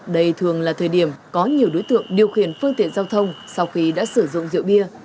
đây thường là thời điểm có nhiều đối tượng điều khiển phương tiện giao thông sau khi đã sử dụng rượu bia